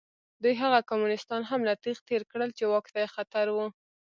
دوی هغه کمونېستان هم له تېغه تېر کړل چې واک ته یې خطر و.